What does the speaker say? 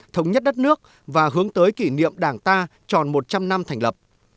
thống nhất đất nước và hướng tới kỷ niệm đảng ta tròn một trăm linh năm thành lập